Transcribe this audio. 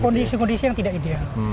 kondisi kondisi yang tidak ideal